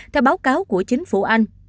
theo báo cáo của chính phủ anh